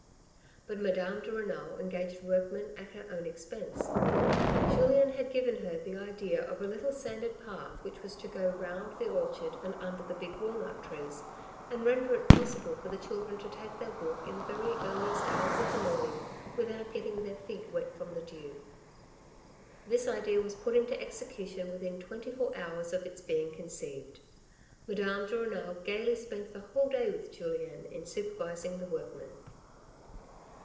But Madame de Renal engaged workmen at her own expense. Julien had given her the idea of a little sanded path which was to go round the orchard and under the big walnut trees, and render it possible for the children to take their walk in the very earliest hours of the morning without getting their feet wet from the dew. This idea was put into execution within twenty four hours of its being conceived. Madame de Renal gaily spent the whole day with Julien in supervising the workmen.